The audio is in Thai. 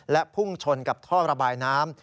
และพุ่งชนกับท่อระบายน้ำ